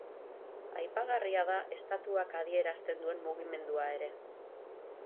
Aipagarria da estatuak adierazten duen mugimendua ere.